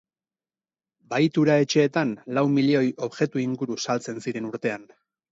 Bahitura-etxeetan lau milioi objektu inguru saltzen ziren urtean.